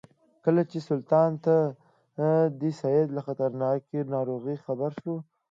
کله چې سلطان د سید له خطرناکې ناروغۍ خبر شو.